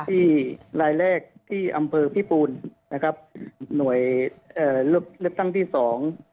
ที่รายแรกที่อำเภอพิปูนนะครับหน่วยเอ่อเลือกตั้งที่สอง